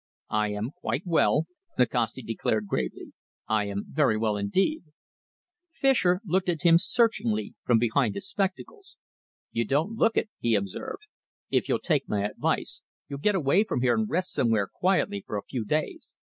"I am quite well," Nikasti declared gravely. "I am very well indeed." Fischer stared at him searchingly from behind his spectacles. "You don't look it," he observed. "If you'll take my advice, you'll get away from here and rest somewhere quietly for a few days.